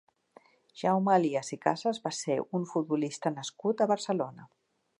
Jaume Elias i Casas va ser un futbolista nascut a Barcelona.